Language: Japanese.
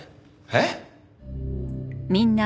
えっ！？